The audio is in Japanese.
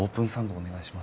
お願いします。